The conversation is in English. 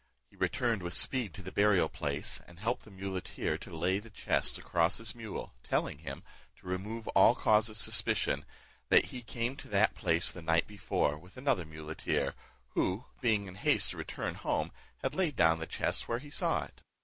He returned with speed to the burial place, and helped the muleteer to lay the chest across his mule, telling him, to remove all cause of suspicion, that he came to that place the night before, with another muleteer, who, being in haste to return home, had laid down the chest where he saw it.